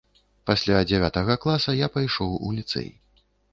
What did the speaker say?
Пасля дзявятага класа я пайшоў у ліцэй.